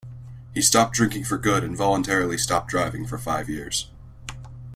He stopped drinking for good, and voluntarily stopped driving for five years.